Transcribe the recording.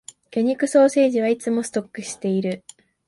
魚肉ソーセージはいつもストックしている